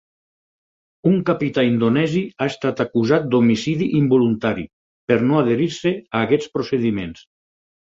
Un capità indonesi ha estat acusat d'homicidi involuntari per no adherir-se a aquests procediments.